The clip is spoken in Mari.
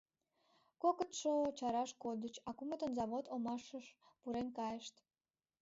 Кокытшо чараш кодыч, а кумытын завод омашыш пурен кайышт.